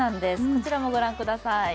こちらもご覧ください。